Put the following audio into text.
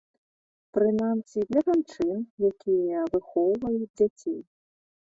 Прынамсі, для жанчын, якія выхоўваюць дзяцей.